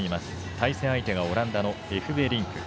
対戦相手がオランダのエフベリンク。